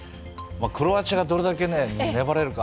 クロアチアがどれだけ粘れるか。